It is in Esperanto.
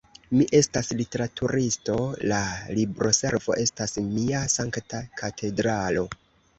Mi estas literaturisto, la libroservo estas mia sankta katedralo.